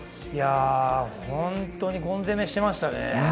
本当にゴン攻めしていましたね。